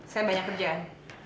saya banyak kerjaan